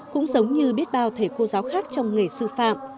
cũng giống như biết bao thầy cô giáo khác trong nghề sư phạm